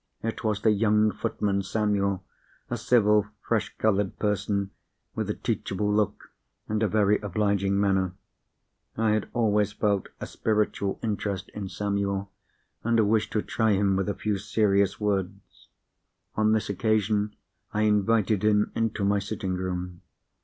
It was the young footman, Samuel—a civil fresh coloured person, with a teachable look and a very obliging manner. I had always felt a spiritual interest in Samuel, and a wish to try him with a few serious words. On this occasion, I invited him into my sitting room.